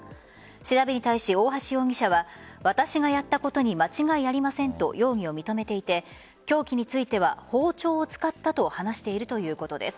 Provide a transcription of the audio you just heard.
調べに対し、大橋容疑者は私がやったことに間違いありませんと容疑を認めていて凶器については、包丁を使ったと話しているということです。